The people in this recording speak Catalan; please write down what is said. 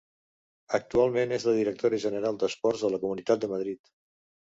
Actualment és la directora general d'Esports de la Comunitat de Madrid.